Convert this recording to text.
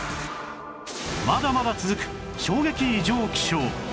まだまだ続く衝撃異常気象